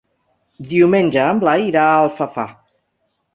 Diumenge en Blai irà a Alfafar.